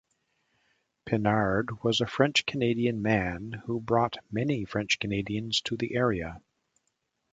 Pinard was a French Canadian man who brought many French Canadians to the area.